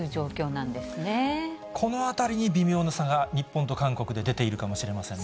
なんこのあたりに微妙な差が、日本と韓国で出ているかもしれませんね。